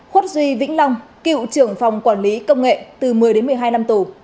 khuất duy vĩnh long cựu trưởng phòng quản lý công nghệ từ một mươi đến một mươi hai năm tù